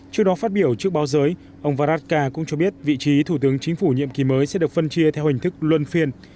trước đó phát biểu trước báo giới ông varadkar cũng cho biết vị trí thủ tướng chính phủ nhiệm kỳ mới sẽ được phân chia theo hình thức luân phiên